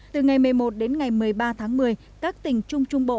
từ ngày một mươi một đến ngày một mươi ba tháng một mươi các tỉnh trung trung bộ